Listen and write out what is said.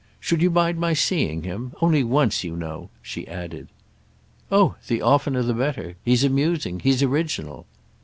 "Should you mind my seeing him? Only once, you know," she added. "Oh the oftener the better: he's amusing—he's original."